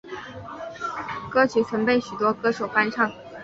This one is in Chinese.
歌曲曾被许多歌手翻唱。